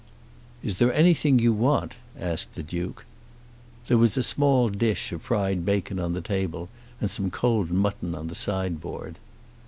"Is there anything you want?" asked the Duke. There was a small dish of fried bacon on the table, and some cold mutton on the sideboard.